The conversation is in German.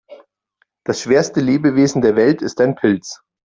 Das schwerste Lebewesen der Welt ist ein Pilz.